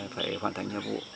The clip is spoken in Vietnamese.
phải hoàn thành nhiệm vụ